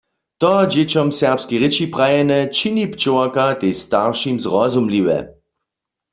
To dźěćom w serbskej rěči prajene čini pčołarka tež staršim zrozumliwe.